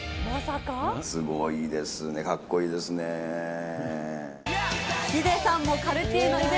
すごいですね、かっこいいでヒデさんもカルティエのイベ